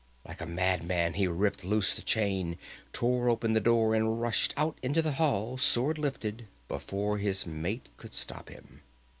Like a madman he ripped loose the chain, tore open the door and rushed out into the hall, sword lifted before his mate could stop him.